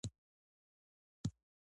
غوره شوی ډیزاین باید له نورو سره شریک شي.